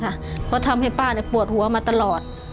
เพราะทำให้ป้าปวดหัวมาตลอด